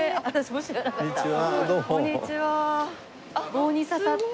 棒に刺さって。